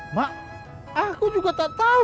mbak aku juga tak tau